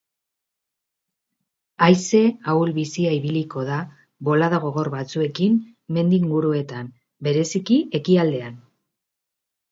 Haize ahul-bizia ibiliko da, bolada gogor batzuekin mendi inguruetan, bereziki ekialdean.